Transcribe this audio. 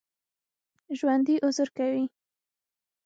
ژوندي عذر کوي